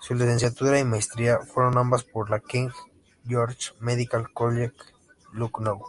Su licenciatura y maestría fueron ambas por la King George's Medical College, Lucknow.